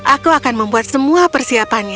aku akan membuat semua persiapannya